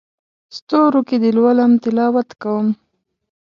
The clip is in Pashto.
ستورو کې دې لولم تلاوت کوم